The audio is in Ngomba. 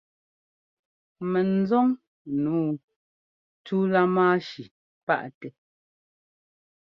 Mɛnzɔn nǔu tú lámáshi páʼtɛ́.